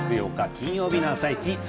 金曜日の「あさイチ」